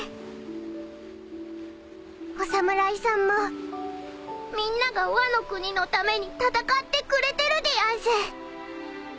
お侍さんもみんながワノ国のために戦ってくれてるでやんす。